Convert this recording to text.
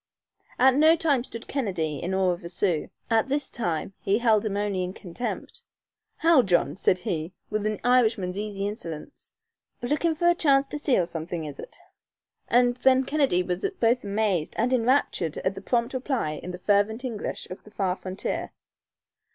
At no time stood Kennedy in awe of a Sioux. At this time he held him only in contempt. "How, John," said he, with an Irishman's easy insolence, "Lookin' for a chance to steal somethin' is it?" And then Kennedy was both amazed and enraptured at the prompt reply in the fervent English of the far frontier.